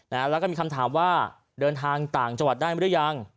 แล้วก็มีคำถามว่าเดินทางต่างจังหวัดได้หรือยัง